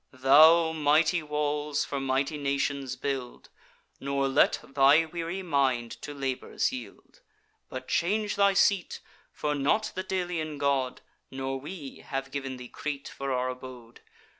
Thou, mighty walls for mighty nations build; Nor let thy weary mind to labours yield: But change thy seat; for not the Delian god, Nor we, have giv'n thee Crete for our abode.